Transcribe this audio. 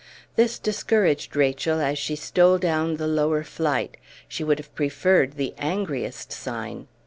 This discouraged Rachel as she stole down the lower flight; she would have preferred the angriest sign.